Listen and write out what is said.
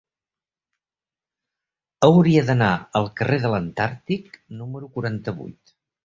Hauria d'anar al carrer de l'Antàrtic número quaranta-vuit.